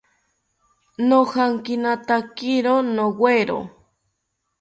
Nojankinatakiro nowero